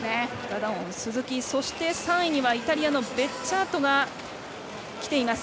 ダダオン、鈴木３位にはイタリアのベッジャートがきています。